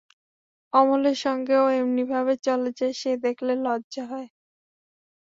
অমলের সঙ্গে ও এমনি ভাবে চলে যে, সে দেখলে লজ্জা হয়।